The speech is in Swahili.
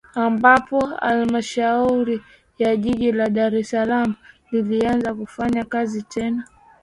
Ambapo Halmashauri ya Jiji la Dar es Salaam lilianza kufanya kazi tena